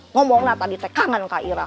ngomonglah tadi teh kangen kak irah